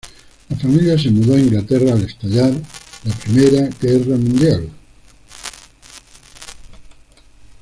La familia se mudó a Inglaterra al estallar la Primera Guerra Mundial.